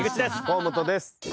河本です。